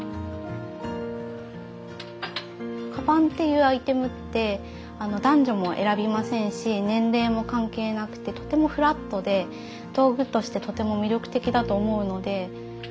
かばんっていうアイテムって男女も選びませんし年齢も関係なくてとてもフラットで道具としてとても魅力的だと思うので。